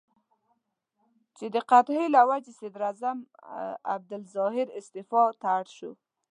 چې د قحطۍ له وجې صدراعظم عبدالظاهر استعفا ته اړ شو.